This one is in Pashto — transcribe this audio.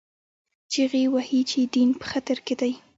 چیغې وهي چې دین په خطر کې دی